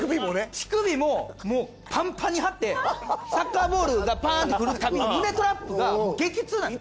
乳首ももうパンパンに張ってサッカーボールがパーンッて来るたびに胸トラップが激痛なんです。